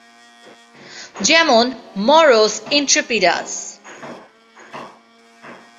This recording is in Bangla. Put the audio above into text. যেমন মরোস ইন্ট্রেপিডাস।